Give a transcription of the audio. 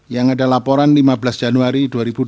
yang ada laporan lima belas januari dua ribu dua puluh